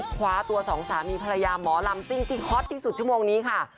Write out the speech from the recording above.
คว้าตัวสองสามีภรรยาหมอลำซิ่งที่ฮอตที่สุดชั่วโมงนี้ค่ะ